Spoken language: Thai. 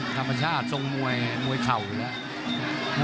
ธรรมชาติทรงมวยมวยเข่าอยู่แล้ว